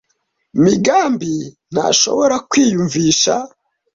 Migambi ntashobora kwiyumvisha.